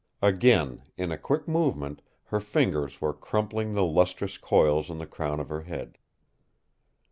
Again, in a quick movement, her fingers were crumpling the lustrous coils on the crown of her head.